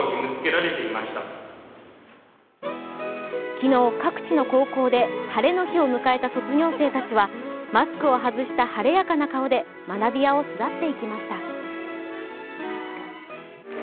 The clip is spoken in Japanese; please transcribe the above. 昨日、各地の高校で晴れの日を迎えた卒業生たちはマスクを外した晴れやかな顔で学びやを巣立っていきました。